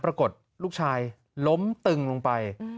ปรากฏลูกชายล้มตึงลงไป